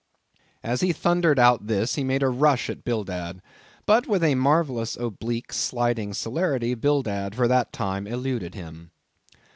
As he thundered out this he made a rush at Bildad, but with a marvellous oblique, sliding celerity, Bildad for that time eluded him.